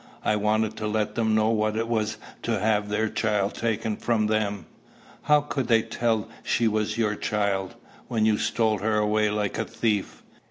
I wanted to let them know what it was to have their child taken from them." "How could they tell she was your child, when you stole her away like a thief?